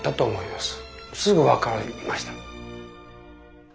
すぐ分かりました。